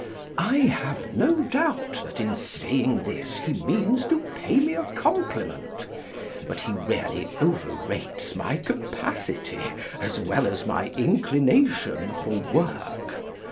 I have no doubt that in saying this he means to pay me a compliment, but he really over rates my capacity, as well as my inclination for work.